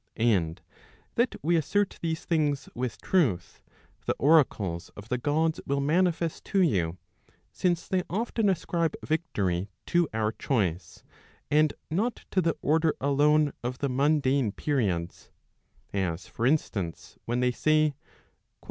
And that we assert these things with truth, the oracles of the Gods will manifest to you, since they often ascribe victory to our choice, and not to the order alone of the mundane periods; as for instance, when they say: " On beholding yourself, fear."